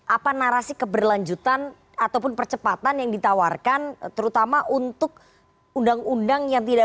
apa narasi keberlanjutan ataupun percepatan yang ditawarkan terutama untuk undang undang yang tidak